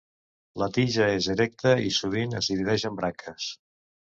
La tija és erecta i sovint es divideix en branques.